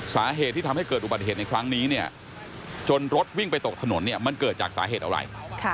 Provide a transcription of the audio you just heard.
สาเหตุที่ทำให้เกิดอุบัติเหตุในครั้งนี้เนี่ยจนรถวิ่งไปตกถนนเนี่ยมันเกิดจากสาเหตุอะไร